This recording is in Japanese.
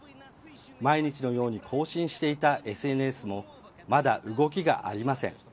毎日のように更新していたＳＮＳもまだ動きがありません。